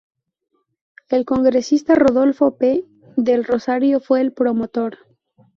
El Congresista Rodolfo P. del Rosario fue el promotor.